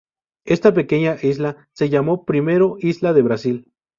Esta pequeña isla se llamó primero isla de Brasil.